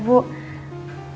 ibu gak boleh tahu soal surat ini